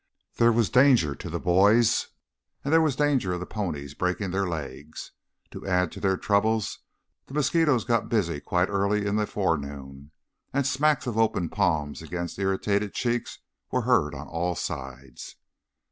There was danger to the boys, and there was danger of the ponies breaking their legs. To add to their troubles, the mosquitoes got busy quite early in the forenoon, and smacks of open palms against irritated cheeks were heard on all sides.